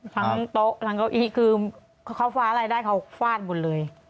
โต๊ะทั้งเก้าอี้คือเขาฟ้าอะไรได้เขาฟาดหมดเลย